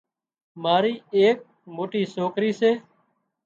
ماري ايڪ مجوٽي سوڪرِي سي